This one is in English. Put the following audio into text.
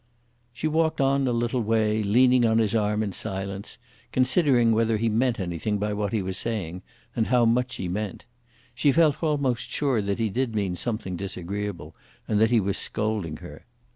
She walked on a little way, leaning on his arm in silence, considering whether he meant anything by what he was saying, and how much he meant. She felt almost sure that he did mean something disagreeable, and that he was scolding her.